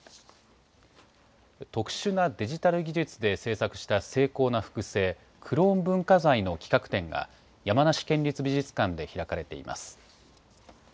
特殊なデジタル技術で制作した精巧な複製、クローン文化財の企画展が、山梨県立美術館で開かれています。